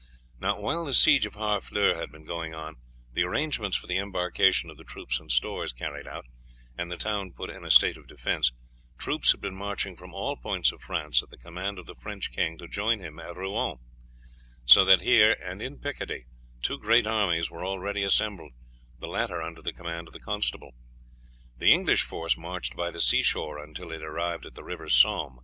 Now, while the siege of Harfleur had been going on, the arrangements for the embarkation of the troops and stores carried out, and the town put in a state of defence, troops had been marching from all points of France at the command of the French king to join him at Rouen, so that here and in Picardy two great armies were already assembled, the latter under the command of the constable. The English force marched by the sea shore until it arrived at the river Somme.